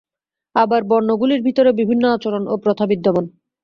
আবার বর্ণগুলির ভিতরও বিভিন্ন আচরণ ও প্রথা বিদ্যমান।